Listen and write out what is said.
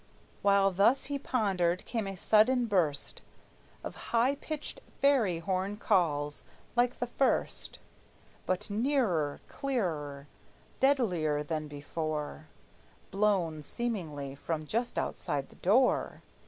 While thus he pondered, came a sudden burst Of high pitched fairy horn calls, like the first, But nearer, clearer, deadlier than before, Blown seemingly from just outside the door.